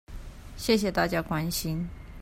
謝謝大家關心